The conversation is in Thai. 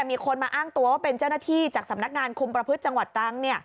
มีคนมาอ้างตัวว่าเป็นเจ้าหน้าที่จากสำนักงานคุมประพฤติจังหวัดตรัง